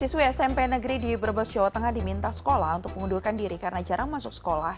siswi smp negeri di brebes jawa tengah diminta sekolah untuk mengundurkan diri karena jarang masuk sekolah